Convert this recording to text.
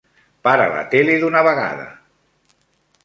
Para la tele d'una vegada!